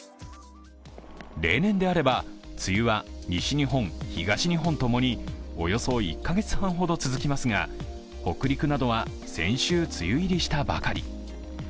例年であれば梅雨は西日本、東日本ともにおよそ１カ月半ほど続きますが北陸などは先週、梅雨入りしたばかり。